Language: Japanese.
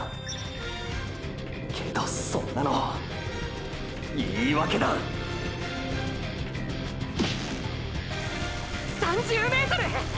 けどそんなの言い訳だ３０ｍ！！